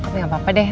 nggak apa apa deh